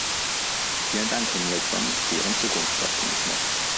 Vielen Dank, Herr Nielson, für Ihren Zukunftsoptimismus.